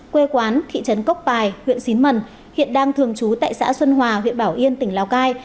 quê quán thị trấn cốc pài huyện xín mần hiện đang thường trú tại xã xuân hòa huyện bảo yên tỉnh lào cai